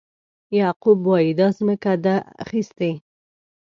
یعقوب وایي دا ځمکه ده اخیستې.